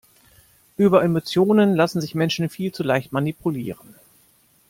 Über Emotionen lassen sich Menschen viel zu leicht manipulieren.